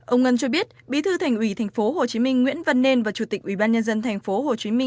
ông ngân cho biết bí thư thành ủy tp hcm nguyễn văn nên và chủ tịch ubnd tp hcm